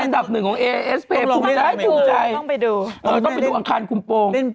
ต้องไปดูอาคารคุมโปร่ง